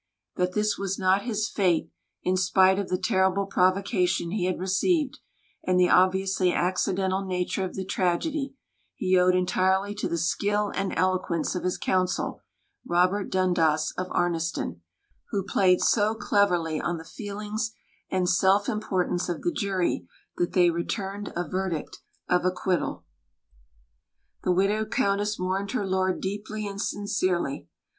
That this was not his fate, in spite of the terrible provocation he had received, and the obviously accidental nature of the tragedy, he owed entirely to the skill and eloquence of his counsel, Robert Dundas of Arniston, who played so cleverly on the feelings and self importance of the jury that they returned a verdict of acquittal. The widowed Countess mourned her lord deeply and sincerely.